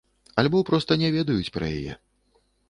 Альбо проста не ведаюць пра яе.